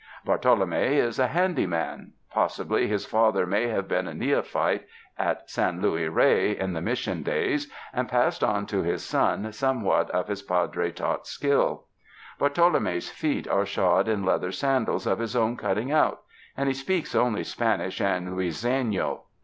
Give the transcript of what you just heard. Bartolome is 93 UNDER THE SKY IN CALIFORNIA a handy man; jiossibly his father may have been a neophyte at Sau Luis Rey in the Mission days, and passed <jn to liis sou somewhat of his Padre taught skill. Rartolonie's feet are shod in leather sandals of his own cutting out, and he speaks only Spanish and Luiseiio.